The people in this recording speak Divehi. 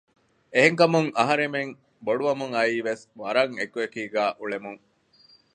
އެހެންކަމުން އަހަރުމެން ބޮޑުވަމުން އައީވެސް ވަރަށް އެކު އެކީގައި އުޅެމުން